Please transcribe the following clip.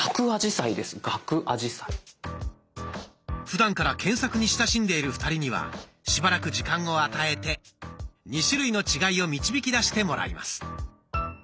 ふだんから検索に親しんでいる２人にはしばらく時間を与えて２種類の違いを導きだしてもらいます。